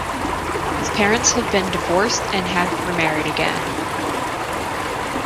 His parents have been divorced and have remarried again.